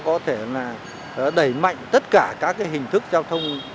có thể là đẩy mạnh tất cả các hình thức giao thông